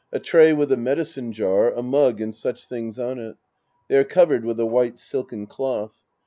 A tray with a medicine jar, a mug and such things on it. They are covered with a white silken cloth.